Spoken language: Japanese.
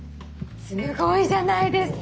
すごいじゃないですか。